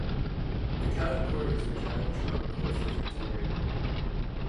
The County Court is the general trial court for Victoria.